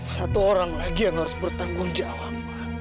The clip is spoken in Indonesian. satu orang lagi yang harus bertanggung jawab